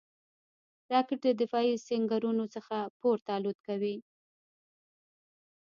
راکټ د دفاعي سنګرونو څخه پورته الوت کوي